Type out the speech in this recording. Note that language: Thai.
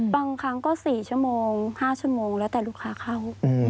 บางครั้งก็๔ชั่วโมง๕ชั่วโมงแล้วแต่ลูกค้าเข้า